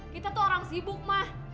kita tuh orang sibuk mah